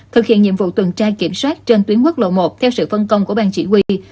thực hiện nhiệm vụ tuần tra kiểm soát trên tuyến quốc lộ một theo sự phân công của bang chỉ huy